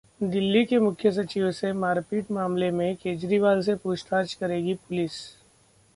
दिल्ली के मुख्य सचिव से मारपीट मामले में केजरीवाल से पूछताछ करेगी पुलिस